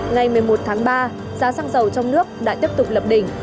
ngày một mươi một tháng ba giá xăng dầu trong nước đã tiếp tục lập đỉnh